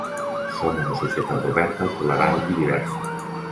Som una societat oberta, tolerant i diversa.